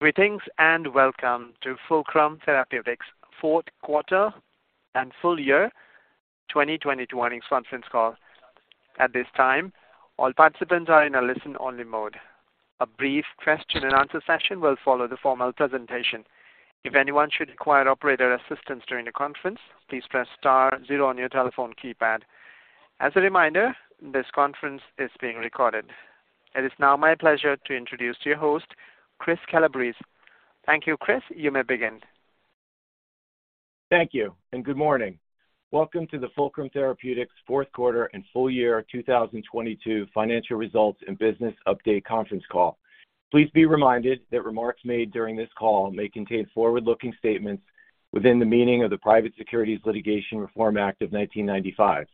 Greetings, and welcome to Fulcrum Therapeutics' fourth quarter and full year 2022 earnings conference call. At this time, all participants are in a listen-only mode. A brief question and answer session will follow the formal presentation. If anyone should require operator assistance during the conference, please press star zero on your telephone keypad. As a reminder, this conference is being recorded. It is now my pleasure to introduce your host, Chris Calabrese. Thank you, Chris. You may begin. Thank you. Good morning. Welcome to the Fulcrum Therapeutics fourth quarter and full year 2022 financial results and business update conference call. Please be reminded that remarks made during this call may contain forward-looking statements within the meaning of the Private Securities Litigation Reform Act of 1995.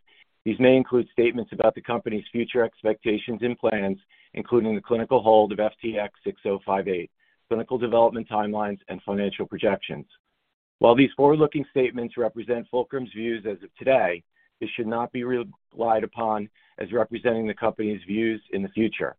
These may include statements about the company's future expectations and plans, including the clinical hold of FTX-6058, clinical development timelines and financial projections. While these forward-looking statements represent Fulcrum's views as of today, they should not be relied upon as representing the company's views in the future.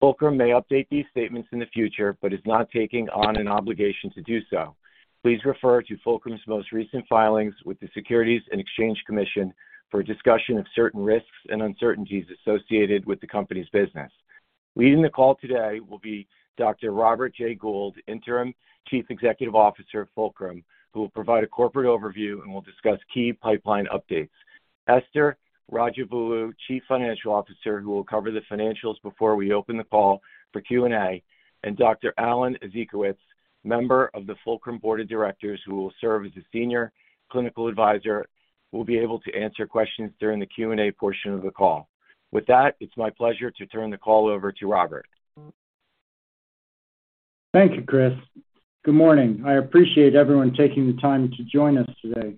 Fulcrum may update these statements in the future, but is not taking on an obligation to do so. Please refer to Fulcrum's most recent filings with the Securities and Exchange Commission for a discussion of certain risks and uncertainties associated with the company's business. Leading the call today will be Dr. Robert J. Gould, Interim Chief Executive Officer of Fulcrum, who will provide a corporate overview and will discuss key pipeline updates. Esther Rajavelu, Chief Financial Officer, who will cover the financials before we open the call for Q&A. Dr. Alan Ezekowitz, member of the Fulcrum Board of Directors, who will serve as a Senior Clinical Advisor, will be able to answer questions during the Q&A portion of the call. With that, it's my pleasure to turn the call over to Robert. Thank you, Chris. Good morning. I appreciate everyone taking the time to join us today.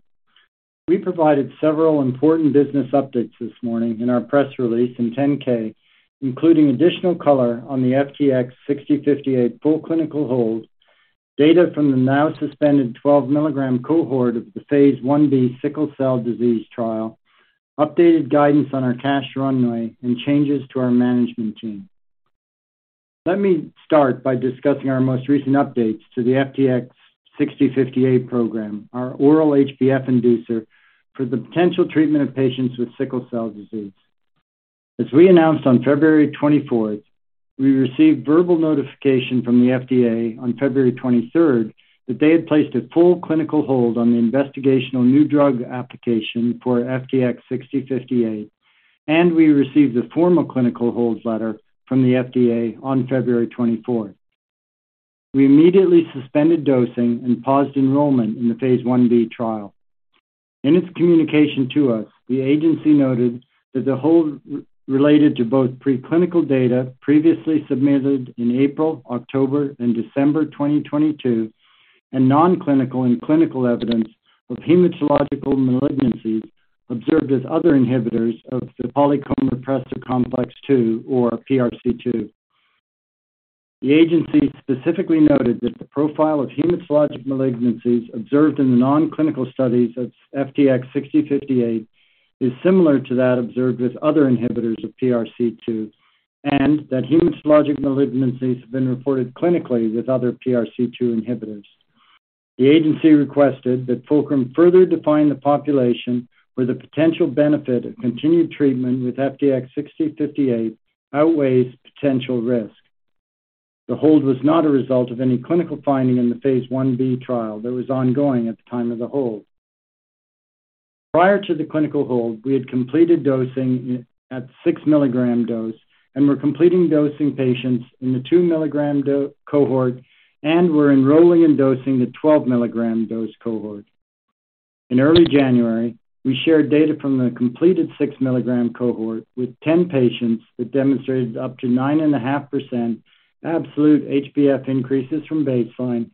We provided several important business updates this morning in our press release and 10-K, including additional color on the FTX-6058 full clinical hold, data from the now suspended 12 mg cohort of the phase 1-B sickle cell disease trial, updated guidance on our cash runway and changes to our management team. Let me start by discussing our most recent updates to the FTX-6058 program, our oral HbF inducer for the potential treatment of patients with sickle cell disease. As we announced on February 24th, we received verbal notification from the FDA on February 23rd that they had placed a full clinical hold on the Investigational New Drug Application for FTX-6058. We received a formal clinical hold letter from the FDA on February 24th. We immediately suspended dosing and paused enrollment in the phase I-B trial. In its communication to us, the agency noted that the hold related to both preclinical data previously submitted in April, October, and December 2022 and non-clinical and clinical evidence of hematological malignancies observed with other inhibitors of the Polycomb Repressive Complex 2 or PRC2. The agency specifically noted that the profile of hematologic malignancies observed in the non-clinical studies of FTX-6058 is similar to that observed with other inhibitors of PRC2, and that hematologic malignancies have been reported clinically with other PRC2 inhibitors. The agency requested that Fulcrum further define the population where the potential benefit of continued treatment with FTX-6058 outweighs potential risk. The hold was not a result of any clinical finding in the phase I-B trial that was ongoing at the time of the hold. Prior to the clinical hold, we had completed dosing at 6 mg dose and were completing dosing patients in the 2 mg dose cohort and were enrolling and dosing the 12 mg dose cohort. In early January, we shared data from the completed 6 mg cohort with 10 patients that demonstrated up to 9.5% absolute HbF increases from baseline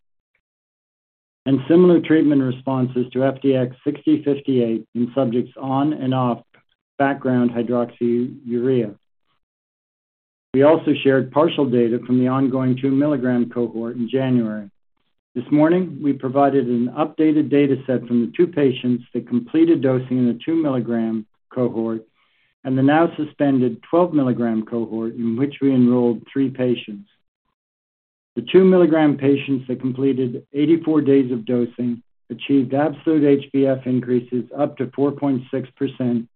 and similar treatment responses to FTX-6058 in subjects on and off background hydroxyurea. We also shared partial data from the ongoing 2 mg cohort in January. This morning, we provided an updated data set from the two patients that completed dosing in the 2 mg cohort and the now suspended 12 mg cohort in which we enrolled three patients. The 2 mg patients that completed 84 days of dosing achieved absolute HbF increases up to 4.6%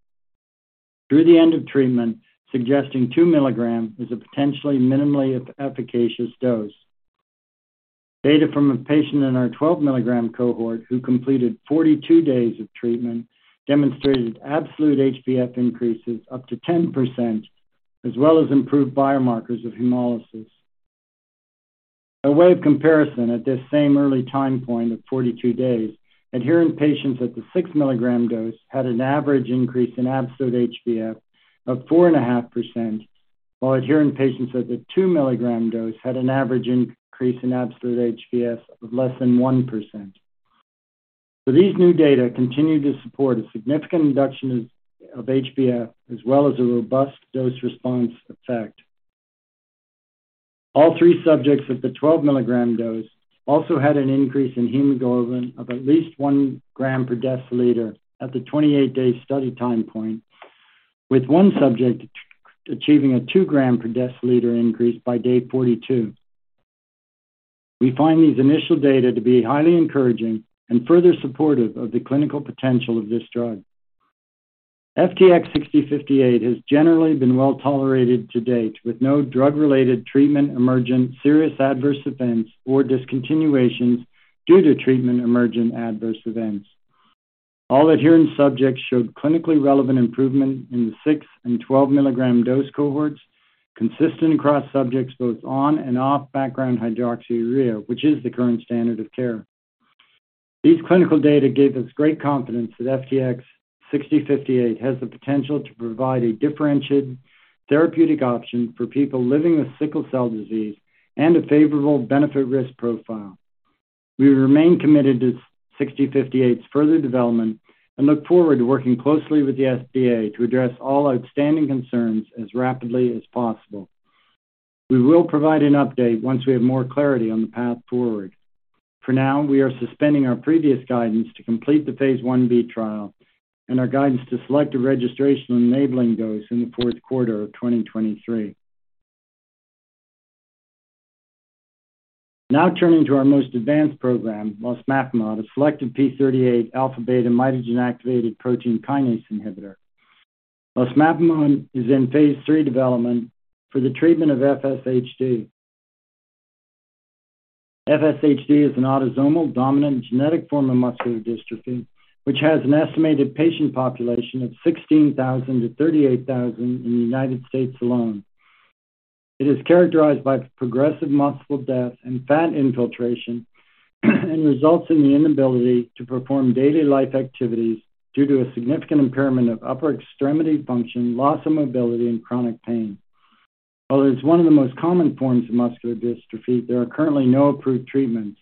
through the end of treatment, suggesting 2 mg is a potentially minimally efficacious dose. Data from a patient in our 12 mg cohort who completed 42 days of treatment demonstrated absolute HbF increases up to 10%, as well as improved biomarkers of hemolysis. A way of comparison, at this same early time point of 42 days, adherent patients at the 6 mg dose had an average increase in absolute HbF of 4.5%, while adherent patients at the 2 mg dose had an average increase in absolute HbF of less than 1%. These new data continue to support a significant reduction of HbF as well as a robust dose response effect. All three subjects at the 12 mg dose also had an increase in hemoglobin of at least one gram per deciliter at the 28 day study time point. With one subject achieving a 2 gram per deciliter increase by day 42. We find these initial data to be highly encouraging and further supportive of the clinical potential of this drug. FTX-6058 has generally been well-tolerated to date, with no drug-related treatment emergent serious adverse events or discontinuations due to treatment emergent adverse events. All adherent subjects showed clinically relevant improvement in the 6 and 12-mg dose cohorts, consistent across subjects both on and off background hydroxyurea, which is the current standard of care. These clinical data give us great confidence that FTX-6058 has the potential to provide a differentiated therapeutic option for people living with sickle cell disease and a favorable benefit risk profile. We remain committed to 6058's further development and look forward to working closely with the FDA to address all outstanding concerns as rapidly as possible. We will provide an update once we have more clarity on the path forward. For now, we are suspending our previous guidance to complete the phase I-B trial and our guidance to select a registration enabling dose in the fourth quarter of 2023. Turning to our most advanced program, losmapimod, a selective p38α/β mitogen-activated protein kinase inhibitor. Losmapimod is in phase III development for the treatment of FSHD. FSHD is an autosomal dominant genetic form of muscular dystrophy, which has an estimated patient population of 16,000-38,000 in the U.S. alone. It is characterized by progressive muscle death and fat infiltration and results in the inability to perform daily life activities due to a significant impairment of upper extremity function, loss of mobility, and chronic pain. While it is one of the most common forms of muscular dystrophy, there are currently no approved treatments.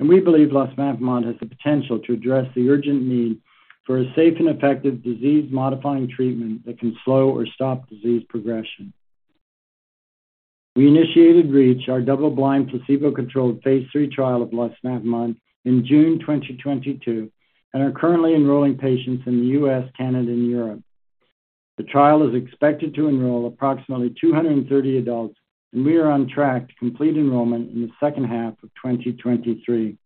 We believe losmapimod has the potential to address the urgent need for a safe and effective disease-modifying treatment that can slow or stop disease progression. We initiated REACH, our double-blind, placebo-controlled phase III trial of losmapimod in June 2022. We are currently enrolling patients in the U.S., Canada, and Europe. The trial is expected to enroll approximately 230 adults. We are on track to complete enrollment in the second half of 2023.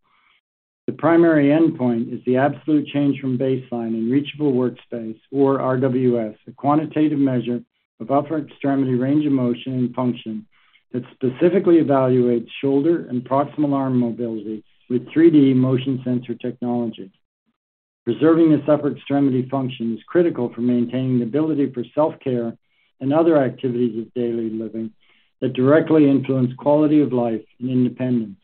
The primary endpoint is the absolute change from baseline in Reachable Workspace, or RWS, a quantitative measure of upper extremity range of motion and function that specifically evaluates shoulder and proximal arm mobility with 3D motion sensor technology. Preserving this upper extremity function is critical for maintaining the ability for self-care and other activities of daily living that directly influence quality of life and independence.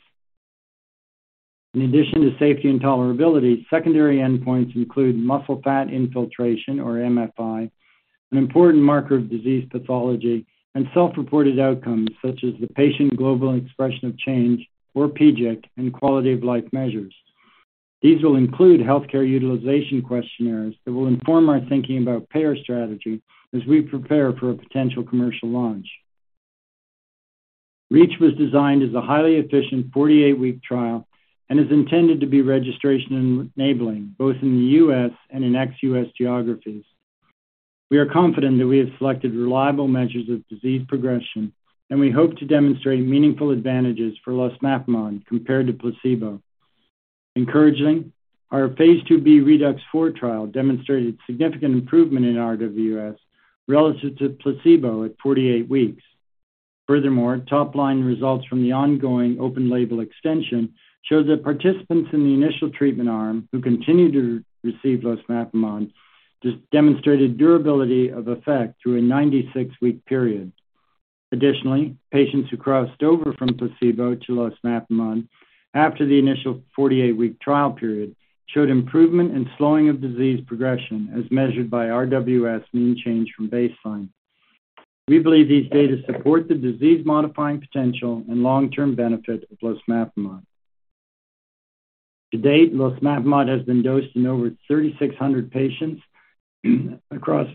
In addition to safety and tolerability, secondary endpoints include muscle fat infiltration, or MFI, an important marker of disease pathology, and self-reported outcomes such as the Patient Global Impression of Change, or PGIC, and quality-of-life measures. These will include healthcare utilization questionnaires that will inform our thinking about payer strategy as we prepare for a potential commercial launch. REACH was designed as a highly efficient 48-week trial and is intended to be registration enabling both in the US and in ex-US geographies. We are confident that we have selected reliable measures of disease progression, and we hope to demonstrate meaningful advantages for losmapimod compared to placebo. Encouraging, our phase II-B ReDUX4 trial demonstrated significant improvement in RWS relative to placebo at 48 weeks. Furthermore, top-line results from the ongoing open label extension show that participants in the initial treatment arm who continue to receive losmapimod just demonstrated durability of effect through a 96-week period. Additionally, patients who crossed over from placebo to losmapimod after the initial 48-week trial period showed improvement in slowing of disease progression, as measured by RWS mean change from baseline. We believe these data support the disease-modifying potential and long-term benefit of losmapimod. To date, losmapimod has been dosed in over 3,600 patients across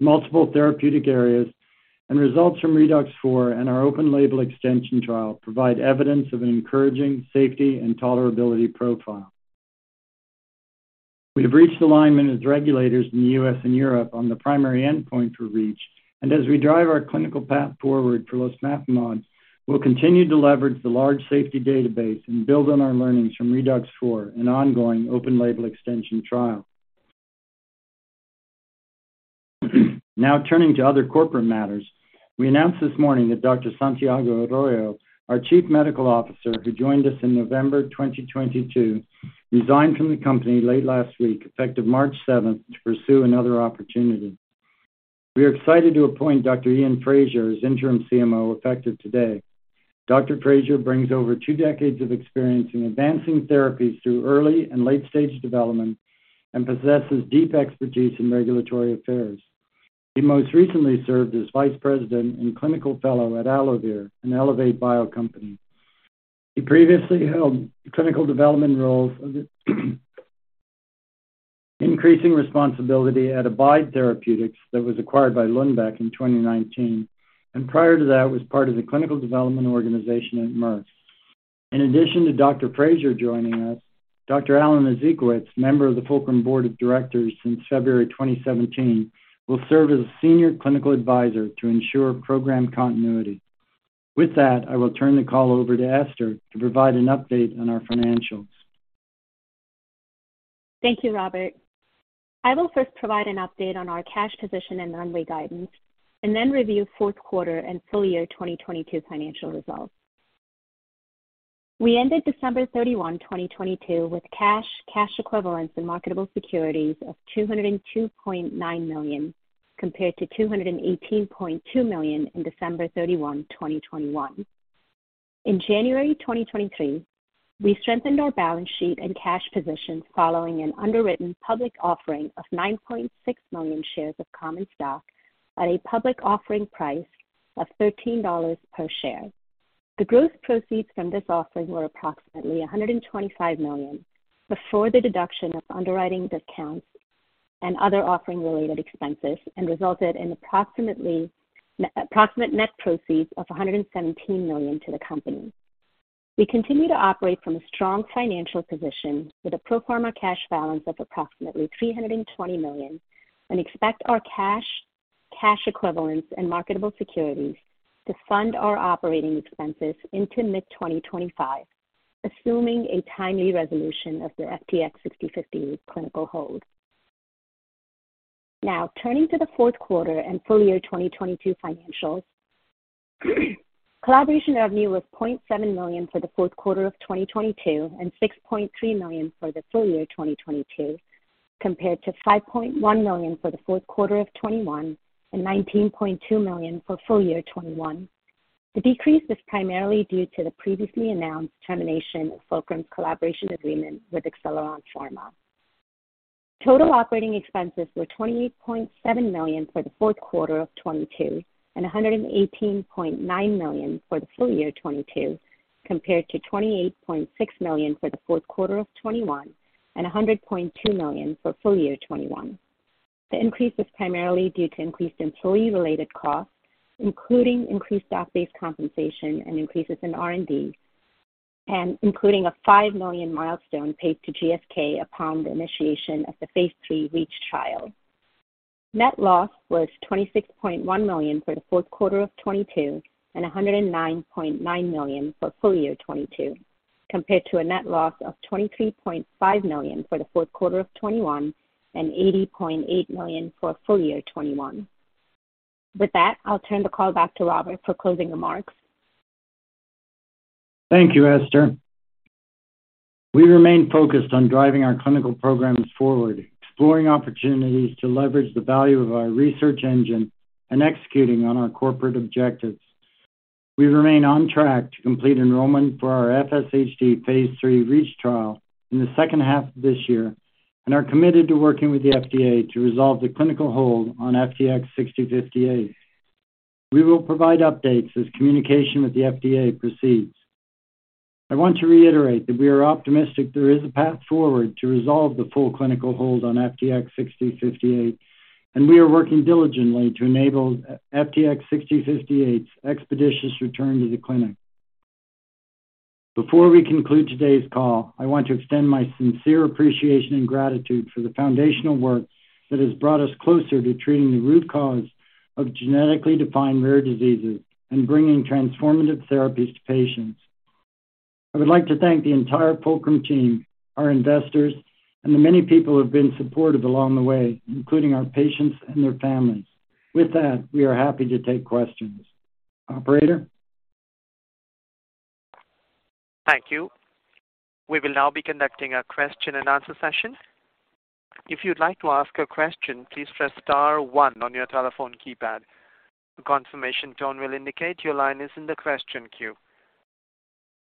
multiple therapeutic areas, and results from ReDUX4 and our open label extension trial provide evidence of an encouraging safety and tolerability profile. We have reached alignment with regulators in the US and Europe on the primary endpoint for REACH, and as we drive our clinical path forward for losmapimod, we'll continue to leverage the large safety database and build on our learnings from ReDUX4 and ongoing open label extension trial. Now turning to other corporate matters, we announced this morning that Dr. Santiago Arroyo, our Chief Medical Officer who joined us in November 2022, resigned from the company late last week, effective March 7th, to pursue another opportunity. We are excited to appoint Dr. Iain Fraser as Interim CMO effective today. Dr. Fraser brings over two decades of experience in advancing therapies through early and late-stage development and possesses deep expertise in regulatory affairs. He most recently served as Vice President and Clinical Fellow at AlloVir, an ElevateBio company. He previously held clinical development roles of increasing responsibility at Abide Therapeutics that was acquired by Lundbeck in 2019, and prior to that was part of the clinical development organization at Merck. In addition to Dr. Iain Fraser joining us, Dr. Alan Ezekowitz, member of the Fulcrum board of directors since February 2017, will serve as senior clinical advisor to ensure program continuity. With that, I will turn the call over to Esther Rajavelu to provide an update on our financials. Thank you, Robert. I will first provide an update on our cash position and runway guidance and then review fourth quarter and full year 2022 financial results. We ended December 31, 2022, with cash equivalents, and marketable securities of $202.9 million, compared to $218.2 million in December 31, 2021. In January 2023, we strengthened our balance sheet and cash position following an underwritten public offering of 9.6 million shares of common stock at a public offering price of $13 per share. The gross proceeds from this offering were approximately $125 million before the deduction of underwriting discounts and other offering-related expenses and resulted in approximate net proceeds of $117 million to the company. We continue to operate from a strong financial position with a pro forma cash balance of approximately $320 million and expect our cash equivalents, and marketable securities to fund our operating expenses into mid-2025, assuming a timely resolution of the FTX-6058 clinical hold. Turning to the fourth quarter and full year 2022 financials. Collaboration revenue was $0.7 million for the fourth quarter of 2022 and $6.3 million for the full year 2022, compared to $5.1 million for the fourth quarter of 2021 and $19.2 million for full year 2021. The decrease was primarily due to the previously announced termination of Fulcrum's collaboration agreement with Acceleron Pharma. Total operating expenses were $28.7 million for the fourth quarter of 2022 and $118.9 million for the full year 2022, compared to $28.6 million for the fourth quarter of 2021 and $100.2 million for full year 2021. The increase was primarily due to increased employee-related costs, including increased stock-based compensation and increases in R&D, and including a $5 million milestone paid to GSK upon the initiation of the phase III REACH trial. Net loss was $26.1 million for the fourth quarter of 2022 and $109.9 million for full year 2022, compared to a net loss of $23.5 million for the fourth quarter of 2021 and $80.8 million for full year 2021. With that, I'll turn the call back to Robert for closing remarks. Thank you, Esther. We remain focused on driving our clinical programs forward, exploring opportunities to leverage the value of our research engine, and executing on our corporate objectives. We remain on track to complete enrollment for our FSHD phase III REACH trial in the second half of this year and are committed to working with the FDA to resolve the clinical hold on FTX-6058. We will provide updates as communication with the FDA proceeds. I want to reiterate that we are optimistic there is a path forward to resolve the full clinical hold on FTX-6058. We are working diligently to enable FTX-6058's expeditious return to the clinic. Before we conclude today's call, I want to extend my sincere appreciation and gratitude for the foundational work that has brought us closer to treating the root cause of genetically defined rare diseases and bringing transformative therapies to patients. I would like to thank the entire Fulcrum team, our investors, and the many people who have been supportive along the way, including our patients and their families. With that, we are happy to take questions. Operator? Thank you. We will now be conducting a question and answer session. If you'd like to ask a question, please press star one on your telephone keypad. A confirmation tone will indicate your line is in the question queue.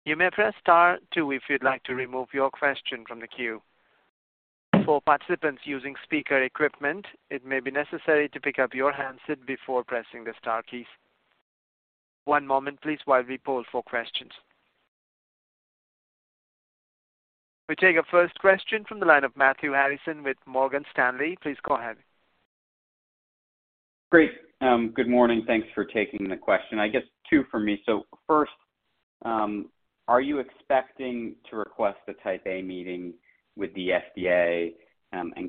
You may press star two if you'd like to remove your question from the queue. For participants using speaker equipment, it may be necessary to pick up your handset before pressing the star keys. One moment, please, while we poll for questions. We take our first question from the line of Matthew Harrison with Morgan Stanley. Please go ahead. Great. Good morning. Thanks for taking the question. I guess two for me. First, are you expecting to request a Type A meeting with the FDA?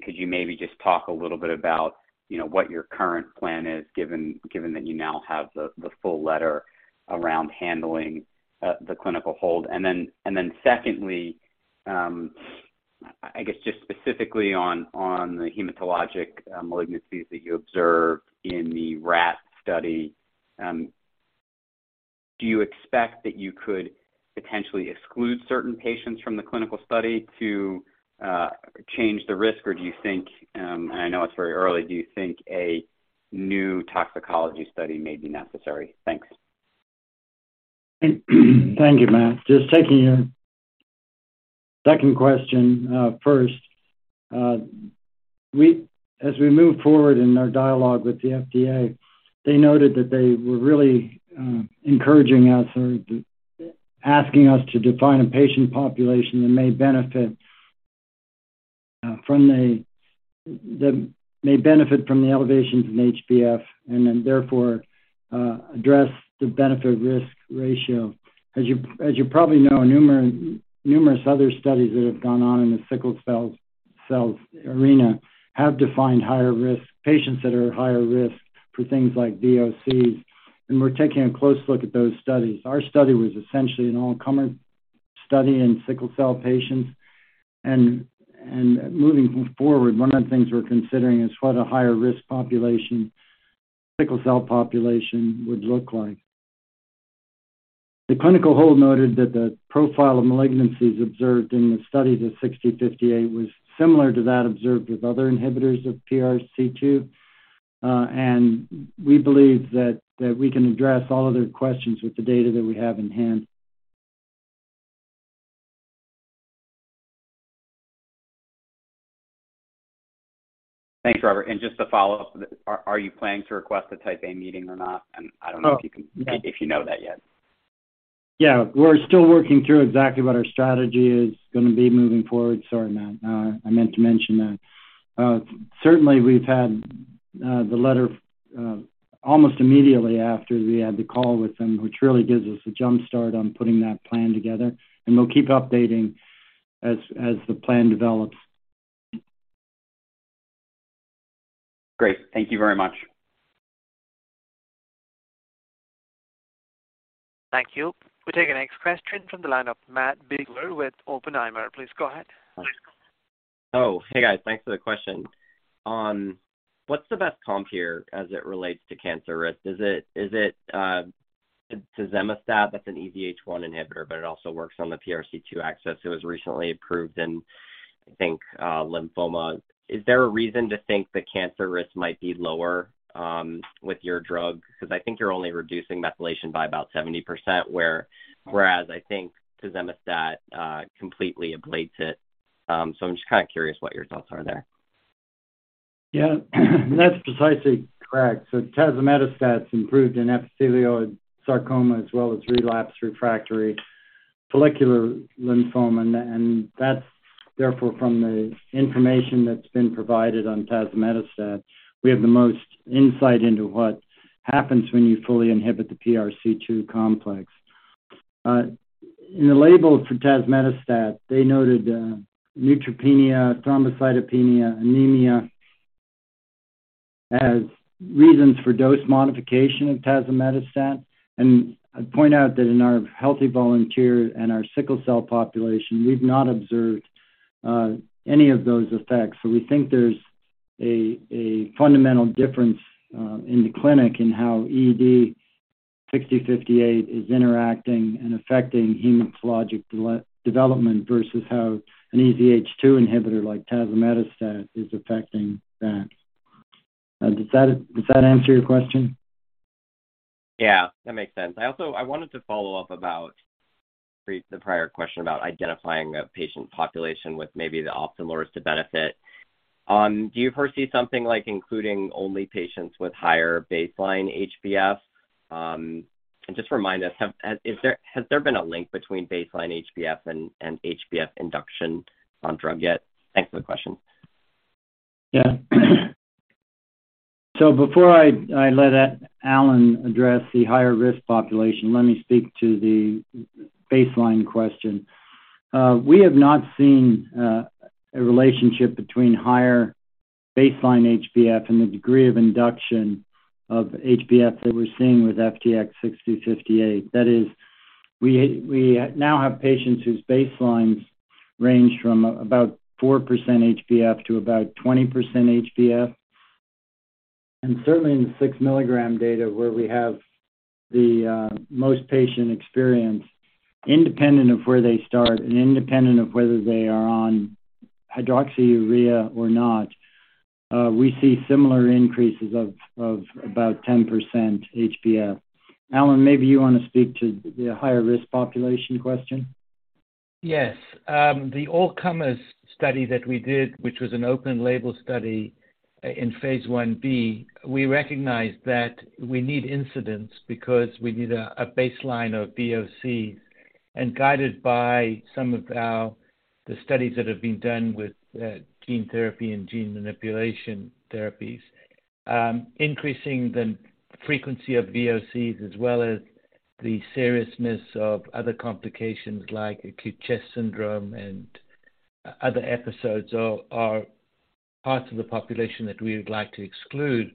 Could you maybe just talk a little bit about, you know, what your current plan is given that you now have the full letter around handling the clinical hold? Secondly, I guess just specifically on the hematologic malignancies that you observed in the rat study, do you expect that you could potentially exclude certain patients from the clinical study to change the risk? Do you think, and I know it's very early, do you think a new toxicology study may be necessary? Thanks. Thank you, Matt. Just taking your second question first, as we move forward in our dialogue with the FDA, they noted that they were really encouraging us or asking us to define a patient population that may benefit from the elevations in HbF. Therefore, address the benefit risk ratio. As you probably know, numerous other studies that have gone on in the sickle cell arena have defined higher risk patients that are at higher risk for things like VOCs. We're taking a close look at those studies. Our study was essentially an all-comer study in sickle cell patients. Moving forward, one of the things we're considering is what a higher risk population, sickle cell population would look like. The clinical hold noted that the profile of malignancies observed in the study of 6058 was similar to that observed with other inhibitors of PRC2, and we believe that we can address all other questions with the data that we have in hand. Thanks, Robert. Just to follow up, are you planning to request a Type A meeting or not? I don't know if you can- Oh. If you know that yet. We're still working through exactly what our strategy is gonna be moving forward. Sorry about that. I meant to mention that. Certainly we've had the letter almost immediately after we had the call with them, which really gives us a jump start on putting that plan together, and we'll keep updating as the plan develops. Great. Thank you very much. Thank you. We take the next question from the line of Matthew Biegler with Oppenheimer. Please go ahead. Hey, guys. Thanks for the question. What's the best comp here as it relates to cancer risk? Is it tazemetostat? That's an EZH2 inhibitor, but it also works on the PRC2 axis. It was recently approved in, I think, lymphoma. Is there a reason to think the cancer risk might be lower with your drug? 'Cause I think you're only reducing methylation by about 70%, whereas I think tazemetostat completely ablates it. I'm just kinda curious what your thoughts are there. sely correct. So tazemetostat's approved in epithelioid sarcoma as well as relapse refractory follicular lymphoma, and that's therefore from the information that's been provided on tazemetostat. We have the most insight into what happens when you fully inhibit the PRC2 complex. In the label for tazemetostat, they noted neutropenia, thrombocytopenia, anemia as reasons for dose modification of tazemetostat. And I'd point out that in our healthy volunteer and our sickle cell population, we've not observed any of those effects. So we think there's a fundamental difference in the clinic in how FTX-6058 is interacting and affecting hematologic development versus how an EZH2 inhibitor like tazemetostat is affecting that. Does that, does that answer your question? Yeah, that makes sense. I also... I wanted to follow up about the prior question about identifying a patient population with maybe the optimal risk to benefit. Do you foresee something like including only patients with higher baseline HbF? Just remind us, has there been a link between baseline HbF and HbF induction on drug yet? Thanks for the question. Yeah. Before I let Alan address the higher-risk population, let me speak to the baseline question. We have not seen a relationship between higher baseline HbF and the degree of induction of HbF that we're seeing with FTX-6058. That is, we now have patients whose baselines range from about 4% HbF to about 20% HbF. Certainly in the 6-mg data, where we have the most patient experience, independent of where they start and independent of whether they are on hydroxyurea or not, we see similar increases of about 10% HbF. Alan, maybe you wanna speak to the higher-risk population question. Yes. The all-comers study that we did, which was an open label study in phase I-B, we recognized that we need incidence because we need a baseline of VOC. Guided by some of our-- the studies that have been done with gene therapy and gene manipulation therapies, increasing the frequency of VOCs, as well as the seriousness of other complications like acute chest syndrome and other episodes are parts of the population that we would like to exclude.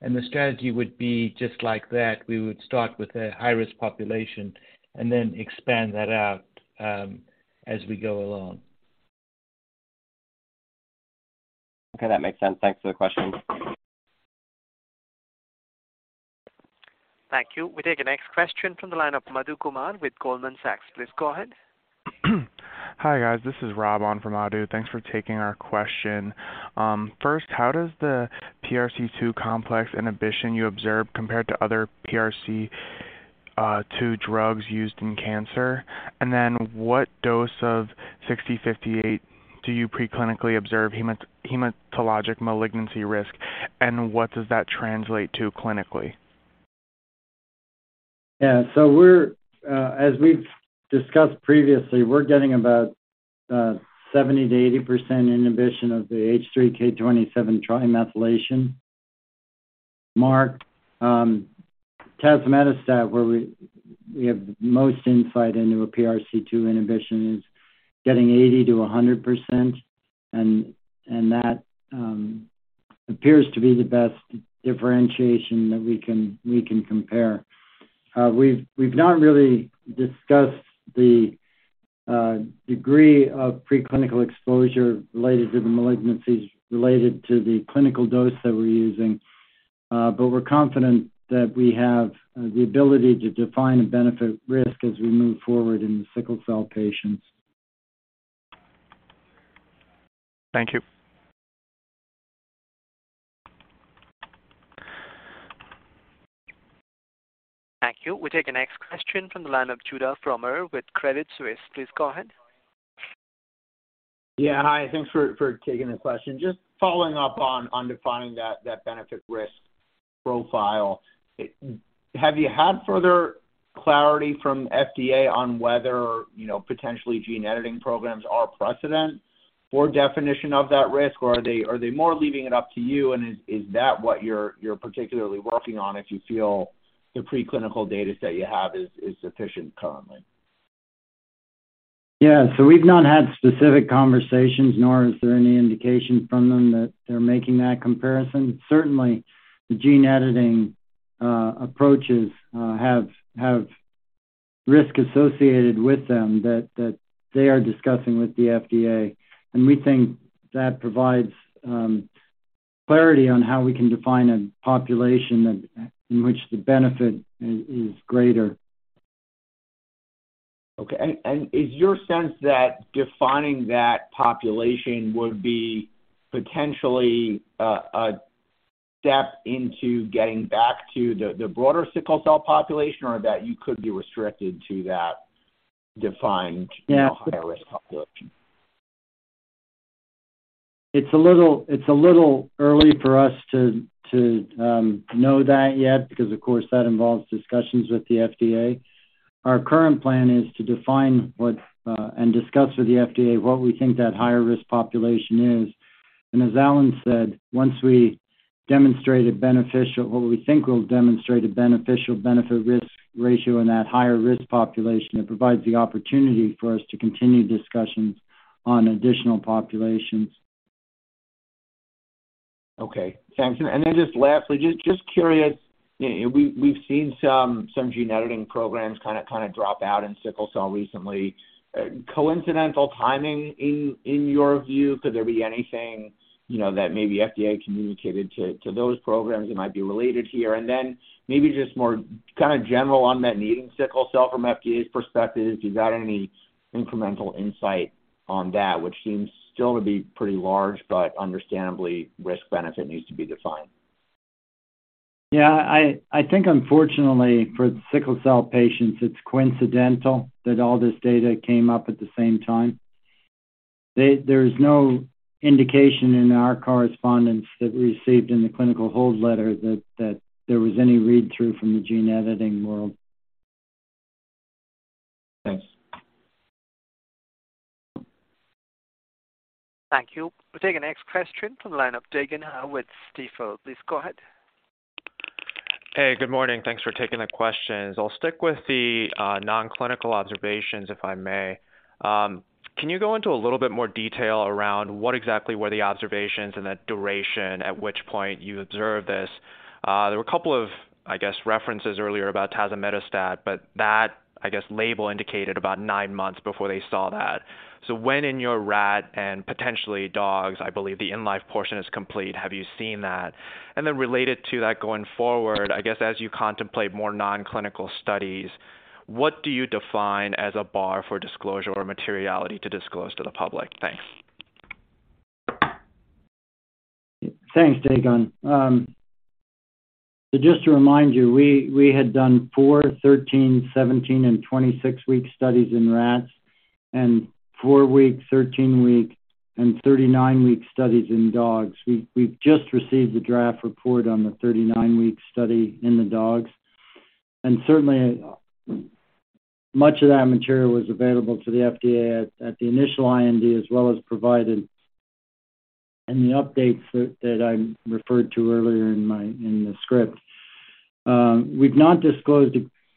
The strategy would be just like that. We would start with a high-risk population and then expand that out as we go along. Okay. That makes sense. Thanks for the question. Thank you. We take the next question from the line of Madhu Kumar with Goldman Sachs. Please go ahead. Hi, guys. This is Rob on for Madhu. Thanks for taking our question. First, how does the PRC2 complex inhibition you observed compare to other PRC2 drugs used in cancer? What dose of FTX-6058 do you pre-clinically observe hematologic malignancy risk, and what does that translate to clinically? As we've discussed previously, we're getting about 70% to 80% inhibition of the H3K27 trimethylation mark. Tazemetostat, where we have most insight into PRC2 inhibition, is getting 80% to 100%, and that appears to be the best differentiation that we can compare. We've not really discussed the degree of preclinical exposure related to the malignancies related to the clinical dose that we're using. But we're confident that we have the ability to define a benefit risk as we move forward in the sickle cell patients. Thank you. Thank you. We'll take the next question from the line of Judah Frommer with Credit Suisse. Please go ahead. Yeah. Hi. Thanks for taking the question. Just following up on defining that benefit risk profile. Have you had further clarity from FDA on whether, you know, potentially gene editing programs are precedent for definition of that risk, or are they, are they more leaving it up to you? Is, is that what you're particularly working on if you feel the preclinical data set you have is sufficient currently? Yeah. We've not had specific conversations, nor is there any indication from them that they're making that comparison. Certainly, the gene editing approaches have risk associated with them that they are discussing with the FDA. We think that provides clarity on how we can define a population that, in which the benefit is greater. Okay. Is your sense that defining that population would be potentially a step into getting back to the broader sickle cell population or that you could be restricted to that? Yeah. you know, higher risk population? It's a little early for us to know that yet because of course, that involves discussions with the FDA. Our current plan is to define what and discuss with the FDA what we think that higher risk population is. As Alan said, once we demonstrate what we think will demonstrate a beneficial benefit risk ratio in that higher risk population, it provides the opportunity for us to continue discussions on additional populations. Okay. Thanks. Just lastly, just curious. We've seen some gene editing programs kinda drop out in sickle cell disease recently. Coincidental timing in your view? Could there be anything, you know, that maybe FDA communicated to those programs that might be related here? Maybe just more kinda general unmet need in sickle cell disease from FDA's perspective. Do you got any incremental insight on that, which seems still to be pretty large, but understandably, risk benefit needs to be defined. I think unfortunately for sickle cell patients, it's coincidental that all this data came up at the same time. There's no indication in our correspondence that we received in the clinical hold letter that there was any read-through from the gene editing world. Thanks. Thank you. We'll take the next question from the line of Dagen with Stifel. Please go ahead. Hey. Good morning. Thanks for taking the questions. I'll stick with the non-clinical observations, if I may. Can you go into a little bit more detail around what exactly were the observations and the duration at which point you observed this? There were a couple of, I guess, references earlier about tazemetostat, but that, I guess, label indicated about nine months before they saw that. When in your rat and potentially dogs, I believe the in-life portion is complete, have you seen that? Related to that going forward, I guess as you contemplate more non-clinical studies, what do you define as a bar for disclosure or materiality to disclose to the public? Thanks. Thanks, Dagen. Just to remind you, we had done four, 13, 17, and 26 week studies in rats and four week, 13 week, and 39 week studies in dogs. We've just received the draft report on the 39 week study in the dogs. Certainly, much of that material was available to the FDA at the initial IND as well as provided in the updates that I referred to earlier in the script. We've not disclosed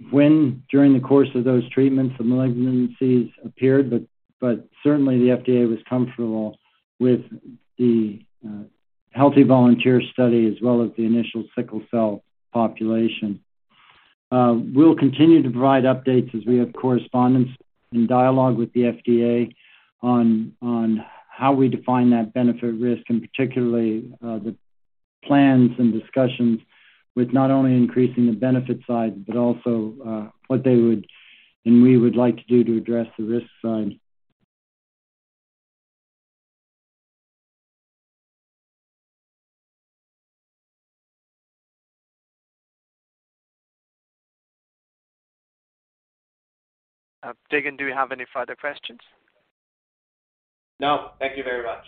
when during the course of those treatments the malignancies appeared, but certainly the FDA was comfortable with the healthy volunteer study as well as the initial sickle cell population. We'll continue to provide updates as we have correspondence and dialogue with the FDA on how we define that benefit risk, and particularly, the plans and discussions with not only increasing the benefit side, but also, what they would and we would like to do to address the risk side. Dagen, do you have any further questions? No. Thank you very much.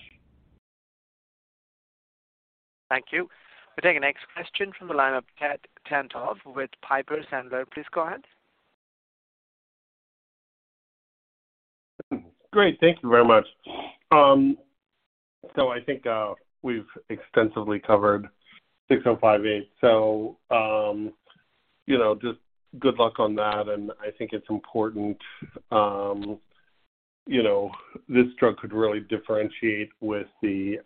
Thank you. We'll take the next question from the line of Ted Tenthoff with Piper Sandler. Please go ahead. Great. Thank you very much. I think we've extensively covered 6058, so, you know, just good luck on that. And I think it's important, you know, this drug could really differentiate with the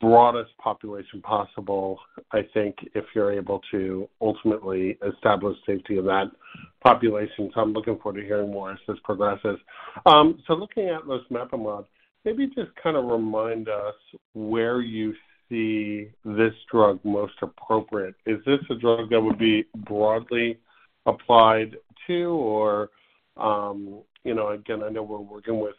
broadest population possible, I think, if you're able to ultimately establish safety in that population. I'm looking forward to hearing more as this progresses. Looking at losmapimod, maybe just kinda remind us where you see this drug most appropriate. Is this a drug that would be broadly applied to, or, you know, again, I know we're working with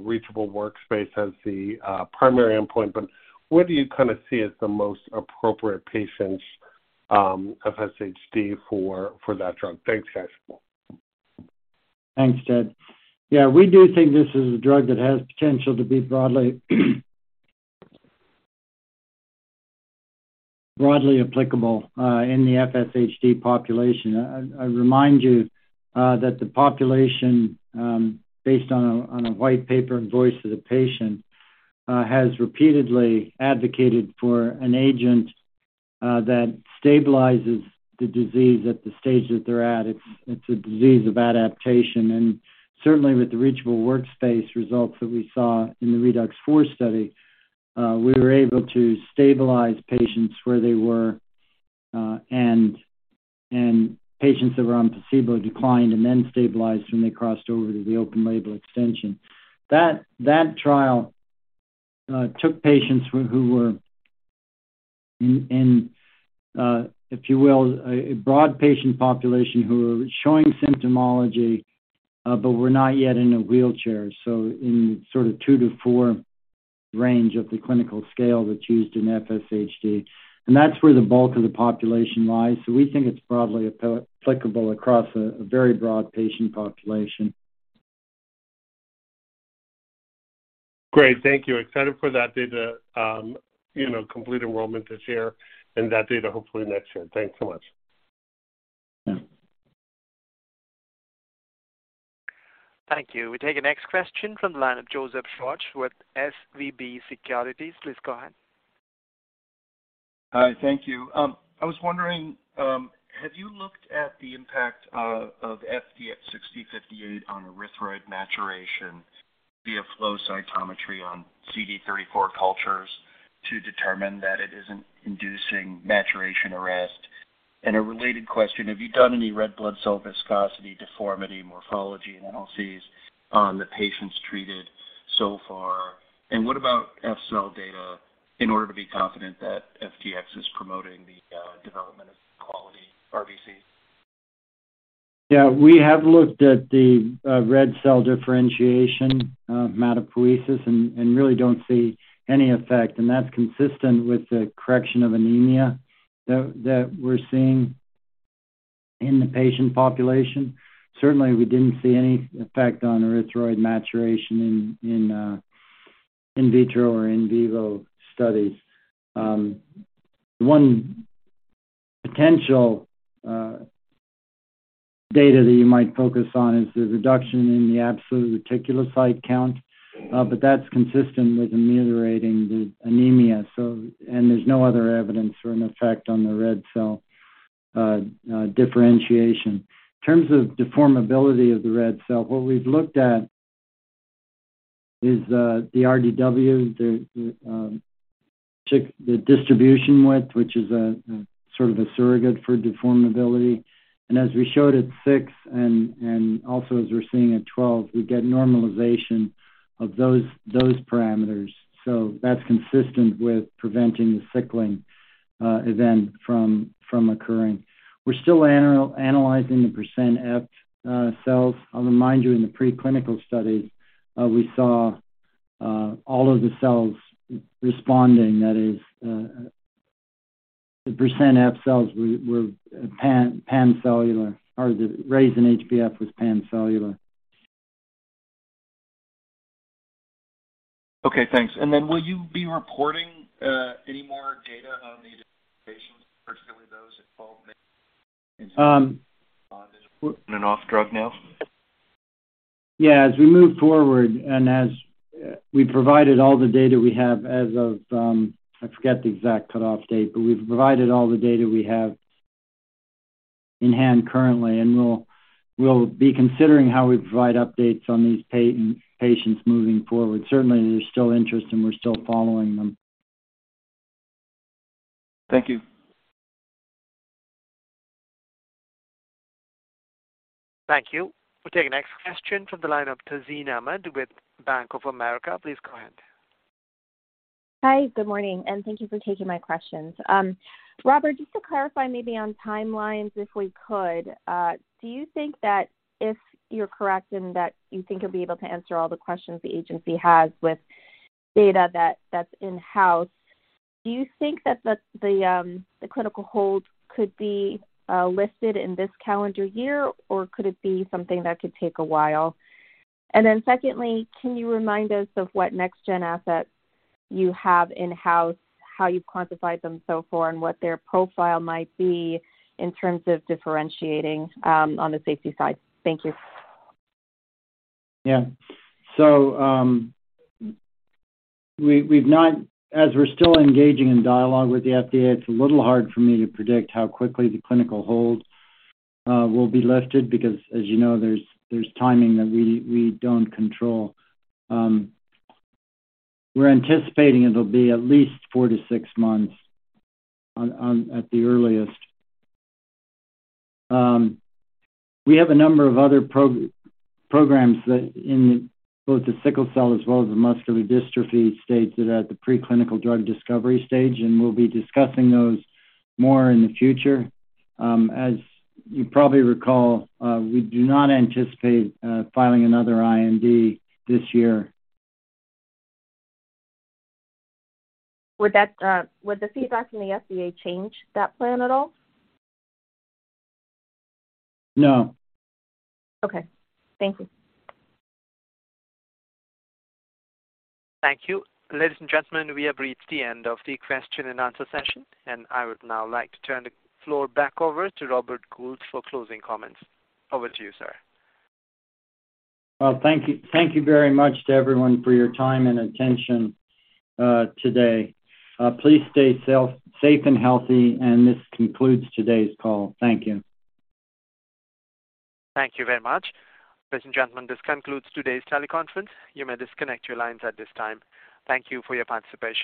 Reachable Workspace as the primary endpoint, but where do you kinda see as the most appropriate patients, FSHD for that drug? Thanks, guys. Thanks, Ted. Yeah, we do think this is a drug that has potential to be broadly applicable in the FSHD population. I remind you that the population, based on a white paper and voice of the patient, has repeatedly advocated for an agent that stabilizes the disease at the stage that they're at. It's a disease of adaptation, certainly with the Reachable Workspace results that we saw in the ReDUX4 study, we were able to stabilize patients where they were, and patients that were on placebo declined and then stabilized when they crossed over to the open label extension. That trial took patients who were in, if you will, a broad patient population who were showing symptomology, but were not yet in a wheelchair, so in sort of two to four range of the clinical scale that's used in FSHD. That's where the bulk of the population lies. We think it's broadly applicable across a very broad patient population. Great. Thank you. Excited for that data, you know, complete enrollment this year and that data hopefully next year. Thanks so much. Yeah. Thank you. We take the next question from the line of Joseph Schwartz with SVB Securities. Please go ahead. Hi. Thank you. I was wondering, have you looked at the impact of FTX-6058 on erythroid maturation via flow cytometry on CD34 cultures to determine that it isn't inducing maturation arrest? A related question, have you done any red blood cell viscosity deformity morphology analyses on the patients treated so far? What about F-cell data in order to be confident that FTX is promoting the development of quality RBC? Yeah. We have looked at the red cell differentiation, erythropoiesis and really don't see any effect. That's consistent with the correction of anemia that we're seeing in the patient population. Certainly, we didn't see any effect on erythroid maturation in in vitro or in vivo studies. One potential data that you might focus on is the reduction in the absolute reticulocyte count, that's consistent with ameliorating the anemia. There's no other evidence or an effect on the red cell differentiation. In terms of deformability of the red cell, what we've looked at is the RDW, the check the distribution width, which is a sort of a surrogate for deformability. As we showed at six and also as we're seeing at 12, we get normalization of those parameters. That's consistent with preventing the sickling event from occurring. We're still analyzing the percent F cells. I'll remind you, in the preclinical studies, we saw all of the cells responding. That is, the percent F cells were pancellular or the raise in HbF was pancellular. Okay, thanks. Will you be reporting any more data on the patients, particularly those at 12 on and off drug now? Yeah. As we move forward and as we provided all the data we have as of, I forget the exact cutoff date, but we've provided all the data we have in hand currently, and we'll be considering how we provide updates on these patients moving forward. Certainly, there's still interest, and we're still following them. Thank you. Thank you. We'll take the next question from the line of Tazeen Ahmad with Bank of America. Please go ahead. Hi. Good morning, and thank you for taking my questions. Robert, just to clarify maybe on timelines, if we could, do you think that if you're correct and that you think you'll be able to answer all the questions the agency has with data that's in-house, do you think that the clinical hold could be lifted in this calendar year, or could it be something that could take a while? Secondly, can you remind us of what next gen assets you have in-house, how you've quantified them so far, and what their profile might be in terms of differentiating on the safety side? Thank you. Yeah. As we're still engaging in dialogue with the FDA, it's a little hard for me to predict how quickly the clinical hold will be lifted because, as you know, there's timing that we don't control. We're anticipating it'll be at least four to six months at the earliest. We have a number of other programs that in both the sickle cell as well as the muscular dystrophy states that are at the preclinical drug discovery stage. We'll be discussing those more in the future. As you probably recall, we do not anticipate filing another IND this year. Would that, would the feedback from the FDA change that plan at all? No. Okay. Thank you. Thank you. Ladies and gentlemen, we have reached the end of the question and answer session, and I would now like to turn the floor back over to Robert Gould for closing comments. Over to you, sir. Well, thank you. Thank you very much to everyone for your time and attention, today. Please stay safe and healthy. This concludes today's call. Thank you. Thank you very much. Ladies and gentlemen, this concludes today's teleconference. You may disconnect your lines at this time. Thank you for your participation.